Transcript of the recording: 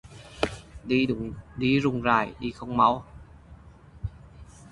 Đi rủng rải, đi không mau